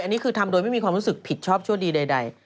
อันนี้คือทำโดยไม่มีความรู้สึกผิดชอบชั่วดีใด